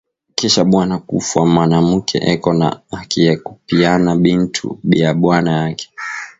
Kisha bwana kufwa manamuke eko na haki ya ku piana bintu bia bwana yake